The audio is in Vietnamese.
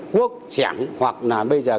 quốc giảng hoặc là bây giờ